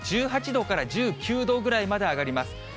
１８度から１９度ぐらいまで上がります。